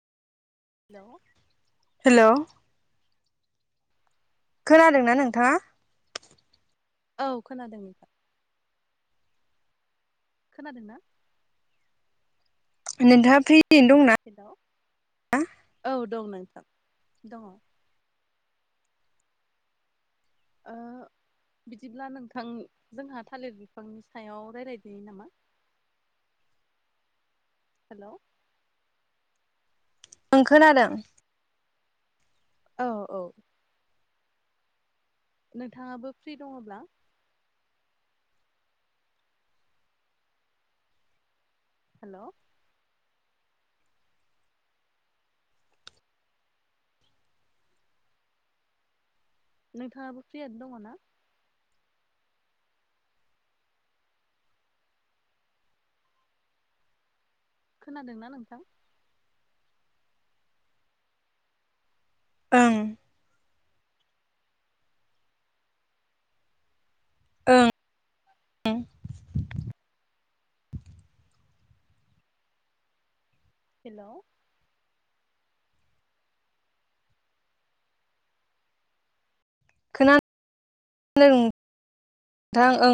Hello hello खोनादों ना नोंथाङा? औ खोनादों नोंथां खोनादों ना? नोंथाङा फ्रियैनो दंना? हेलौ औ दं नोंथां दङ। ओ बिदिब्ला नोंथां जोंहा थालिर बिफांनि सायाव रायलायदिनि नामा? [inaudible] हेलौ ओं खोनादों औ औ नोंथाङाबो फ्रि दङब्ला हेल' नोंथाङाबो फ्रियानो दङ ना? खोनादोंना नोंथां ओं ओं [unintelligible] हेल' खोना [unintelligible] ओं